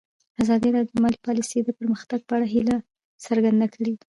ازادي راډیو د مالي پالیسي د پرمختګ په اړه هیله څرګنده کړې.